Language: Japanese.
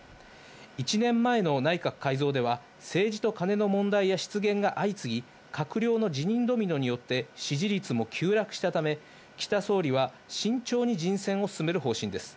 １年前の内閣改造では、政治とカネの問題や失言が相次ぎ、閣僚の辞任ドミノによって、支持率も急落したため、岸田総理は慎重に人選を進める方針です。